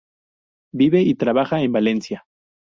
Vive y trabaja en Valencia.